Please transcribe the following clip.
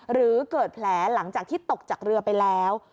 หรือเกิดแผลหลังจากที่ตกจากเรือไปแล้ว